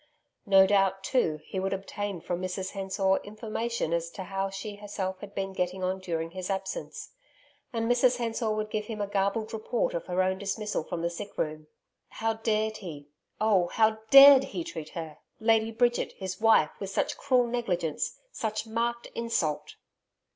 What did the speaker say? No doubt too, he would obtain from Mrs Hensor, information as to how she herself had been getting on during his absence, and Mrs Hensor would give him a garbled report of her own dismissal from the sick room.... How dared he oh! how DARED he treat her, Lady Bridget, his wife, with such cruel negligence, such marked insult!